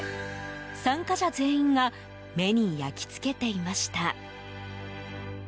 参加者全員が目に焼き付けていました。